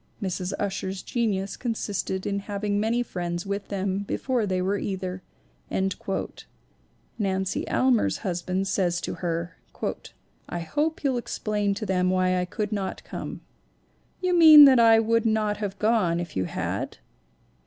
Mrs. Ussher's genius con sisted in having made friends with them before they were either." Nancy Almar's husband says to her :' 'I hope you'll explain to them why I could not come/ : 'You mean that I would not have gone if you had?'